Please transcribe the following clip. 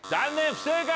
不正解！